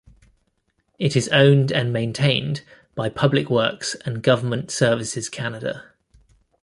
It is owned and maintained by Public Works and Government Services Canada.